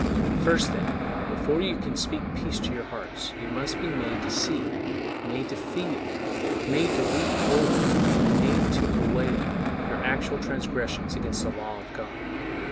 First, then, before you can speak peace to your hearts, you must be made to see, made to feel, made to weep over, made to bewail, your actual transgressions against the law of God.